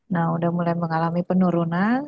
nah sudah mulai mengalami penurunan